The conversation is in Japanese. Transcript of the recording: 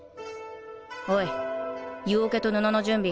おい湯おけと布の準備。